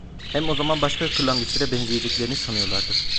Hem o zaman başka kırlangıçlara benzeyeceklerini sanıyorlardı.